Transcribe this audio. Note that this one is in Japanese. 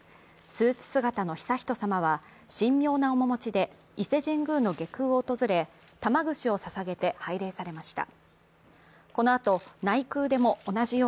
スーツ姿の悠仁さまは神妙な面持ちで伊勢神宮の外宮を訪れて玉串をささげて拝礼されました。